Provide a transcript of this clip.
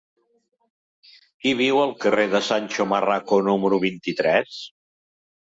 Qui viu al carrer de Sancho Marraco número vint-i-tres?